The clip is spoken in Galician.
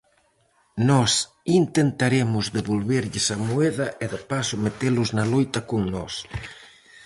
Nós intentaremos devolverlles a moeda e de paso metelos na loita con nós.